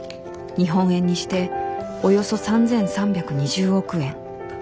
日本円にしておよそ３，３２０億円。